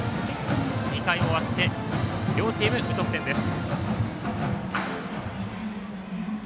２回終わって両チーム無得点です。